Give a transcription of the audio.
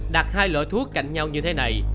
đặt hai loại thuốc cạnh nhau như thế này